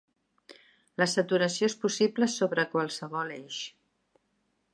La saturació és possible sobre qualsevol eix.